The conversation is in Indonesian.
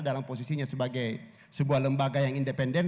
dalam posisinya sebagai sebuah lembaga yang independen